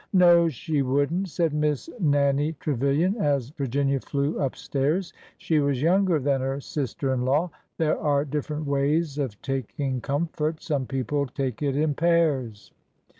''No, she wouldn't!" said Miss Nannie Trevilian, as Virginia flew up stairs. She was younger than her sister in law. " There are different ways of taking comfort. Some people take it in pairs."